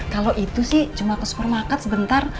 kalau itu sih cuma kesepur makat sebentar